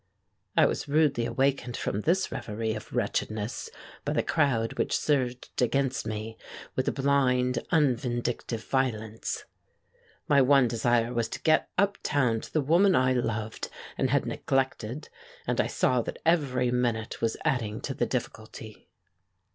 I was rudely awakened from this reverie of wretchedness by the crowd which surged against me with a blind, unvindictive violence. My one desire was to get uptown to the woman I loved and had neglected, and I saw that every minute was adding to the difficulty.